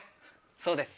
そうです。